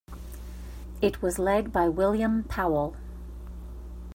It was led by William Powell.